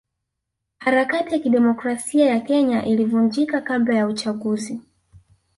Harakati ya demokrasia ya Kenya ilivunjika kabla ya uchaguzi